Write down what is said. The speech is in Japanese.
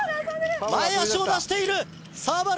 前足を出しているサーバル